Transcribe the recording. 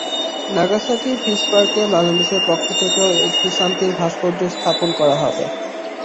Nagasaki peace পার্কে বাংলাদেশের পক্ষ থেকেও একটি শান্তির ভাস্কর্য স্থাপন করা হবে।